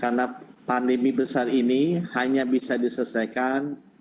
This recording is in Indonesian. karena pandemi besar ini hanya bisa diselesaikan